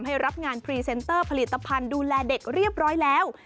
รับงานพรีเซนเตอร์ผลิตภัณฑ์ดูแลเด็กเรียบร้อยแล้ว